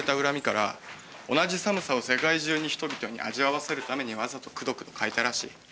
恨みから同じ寒さを世界中の人々に味わわせるためにわざとクドクド書いたらしい。